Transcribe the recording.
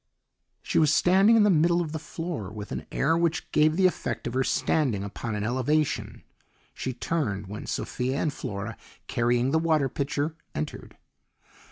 She was standing in the middle of the floor with an air which gave the effect of her standing upon an elevation. She turned when Sophia and Flora, carrying the water pitcher, entered.